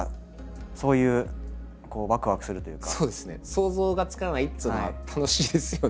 想像がつかないっていうのは楽しいですよね。